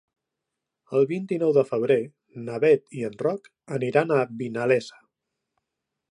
El vint-i-nou de febrer na Beth i en Roc aniran a Vinalesa.